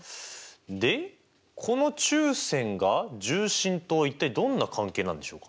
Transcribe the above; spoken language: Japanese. でこの中線が重心と一体どんな関係なんでしょうか？